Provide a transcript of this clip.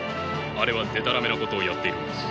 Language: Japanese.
あれはでたらめなことをやっているのです。